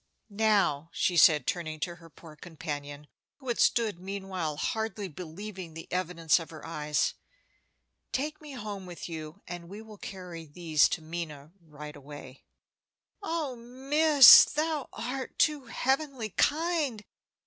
"Now," she said, turning to her poor companion, who had stood meanwhile, hardly believing the evidence of her eyes, "take me home with you, and we will carry these to Minna right away." "Oh, miss, thou art too heavenly kind!